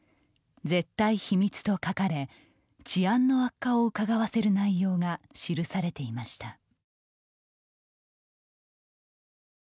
絶対秘密と書かれ治安の悪化をうかがわせる内容が記されていました。